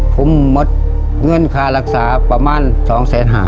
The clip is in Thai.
ผมมดเงื่อนมั่นค่ารักษาประมาณ๒แสนห่า